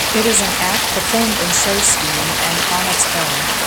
It is an act performed in show skiing, and on its own.